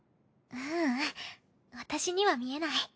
ううん私には見えない。